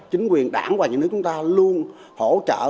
chính quyền đảng và những nước chúng ta luôn hỗ trợ